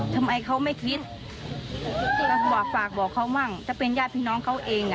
ทำไมเขาไม่คิดฝากบอกเขามั่งถ้าเป็นญาติพี่น้องเขาเอง